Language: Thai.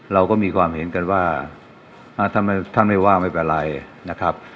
เราก็มีความเห็นกันว่าถ้าท่านไม่ว่าไม่เป็นไรนะครับ